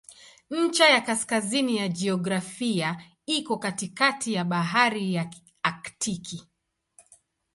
Ncha ya kaskazini ya kijiografia iko katikati ya Bahari ya Aktiki.